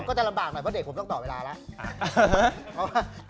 ก็จะลำบากหน่อยเพราะเด็กผมต้องต่อเวลาแล้ว